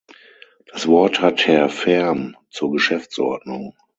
Das Wort hat Herr Färm zur Geschäftsordnung.